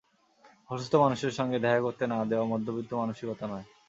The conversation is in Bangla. অসুস্থ মানুষের সঙ্গে দেখা করতে না-দেওয়া মধ্যবিত্ত মানসিকতা নয়।